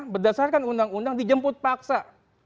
berdasarkan undang undang dijemput paksa